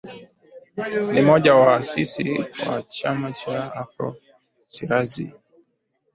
Ni mmoja wa waasisi wa Chama cha Afro Shirazi